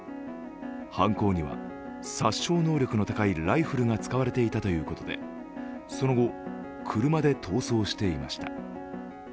犯行には殺傷能力の高いライフルが使われていたということでその後、車で逃走していました。